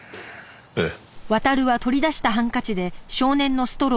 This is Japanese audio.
ええ。